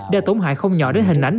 đã tổn hại không nhỏ đến hình ảnh